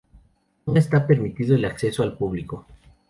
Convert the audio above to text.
No esta permitido al acceso al público.